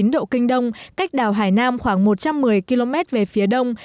một trăm một mươi một chín độ kinh đông cách đảo hải nam khoảng một trăm một mươi km về phía đông